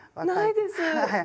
ないです。